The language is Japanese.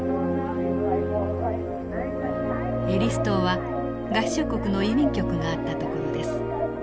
エリス島は合衆国の移民局があった所です。